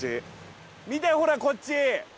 見て、ほら、こっち。